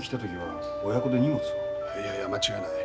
いやいや間違いない。